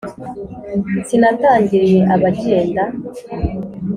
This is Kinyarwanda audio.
Sinatangiriye abagenda